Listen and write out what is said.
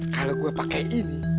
kalau gue pakai ini